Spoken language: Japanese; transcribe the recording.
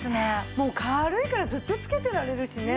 もう軽いからずっとつけてられるしね。